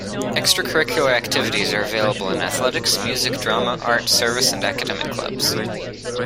Extracurricular activities are available in athletics, music, drama, art, service and academic clubs.